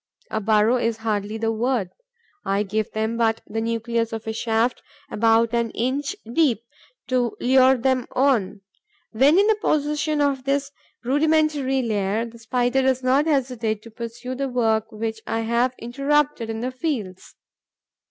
A burrow is hardly the word: I give them but the nucleus of a shaft, about an inch deep, to lure them on. When in possession of this rudimentary lair, the Spider does not hesitate to pursue the work which I have interrupted in the fields.